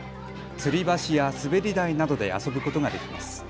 つり橋や滑り台などで遊ぶことができます。